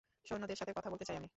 সৈন্যদের সাথে কথা বলতে চাই আমি।